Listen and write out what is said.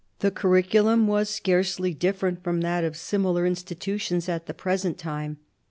The curriculum was scarcely different from that of similar institutions at the present time.